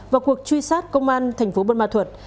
vào cuộc truy sát công an thành phố buôn ma thuật